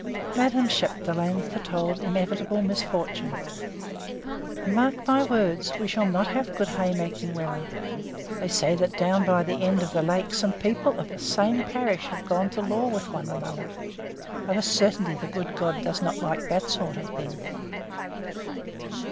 Madame Chapdelaine foretold inevitable misfortune. "Mark my words, we shall not have good hay making weather. They say that down by the end of the lake some people of the same parish have gone to law with one another. Of a certainty the good God does not like that sort of thing!"